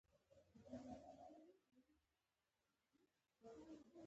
د فکري او علمي لار مخه یې ونه نیول شوه.